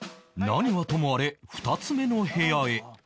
何はともあれ２つ目の部屋へ